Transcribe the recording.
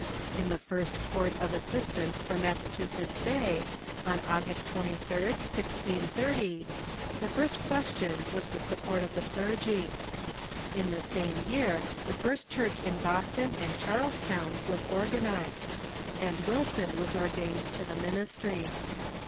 In the first Court of Assistants for Massachusetts Bay, on August 23d, 1630, the first question was the support of the clergy. In the same year the first church in Boston and Charlestown was organized, and Wilson was ordained to the ministry.